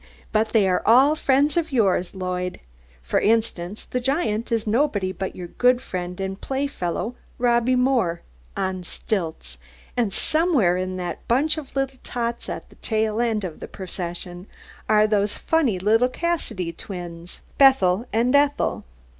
"But they are all friends of yours, Lloyd. For instance, the giant is nobody but your good friend and playfellow, Robby Moore, on stilts; and somewhere in that bunch of little tots at the tail end of the procession are those funny little Cassidy twins, Bethel and Ethel.